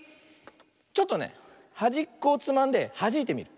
ちょっとねはじっこをつまんではじいてみる。